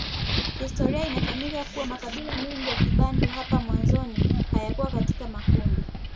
Historia inafahamika kuwa makabila mengi ya kibantu hapo mwanzoni hayakuwa katika makundi